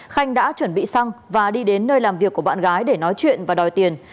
khanh đã chuẩn bị xăng và đi đến nơi làm việc của bạn gái để nói chuyện và đòi tiền